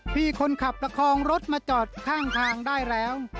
พี่คนขับประคองรถมาจอดข้างทางได้แล้ว